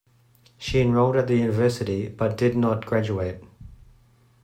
She enrolled at the university but did not graduate.